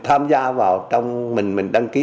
tham gia vào trong mình mình đăng ký